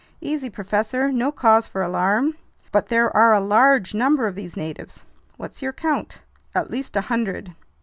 "Easy, professor, no cause for alarm." "But there are a large number of these natives." "What's your count?" "At least a hundred."